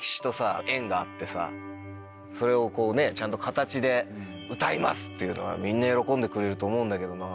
があってそれをちゃんと形で「歌います」っていうのはみんな喜んでくれると思うんだけどな。